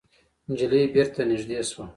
نجلۍ بېرته نږدې شوه.